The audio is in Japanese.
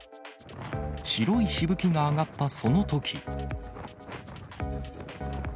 白いしぶきが上がったそのとき。